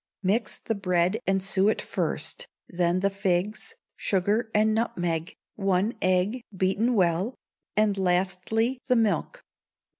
Mix the bread and suet first, then the figs, sugar, and nutmegs, one egg beaten well, and lastly the milk.